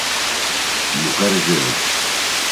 Mujeres de hoy